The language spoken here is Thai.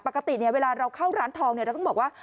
ปกติเนี่ยเวลาเราเข้าร้านทองเนี่ยเราต้องบอกว่า